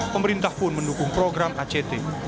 pemerintah pun mendukung program act